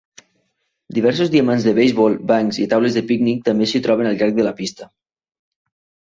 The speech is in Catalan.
Diversos diamants de beisbol, bancs i taules de pícnic també s'hi troben al llarg de la pista.